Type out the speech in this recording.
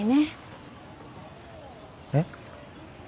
えっ？